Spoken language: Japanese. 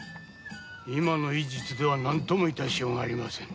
今の医術では何とも致しようがありません。